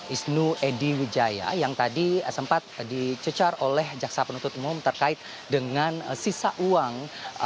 isnu edy wijaya yang tadi sempat dicecar oleh jaksa penuntut umum terkait dengan sisa uang